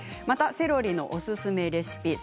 またセロリのおすすめレシピ